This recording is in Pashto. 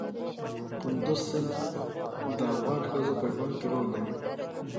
کندز سیند د افغان ښځو په ژوند کې رول لري.